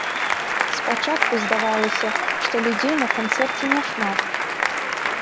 Спачатку здавалася, што людзей на канцэрце няшмат.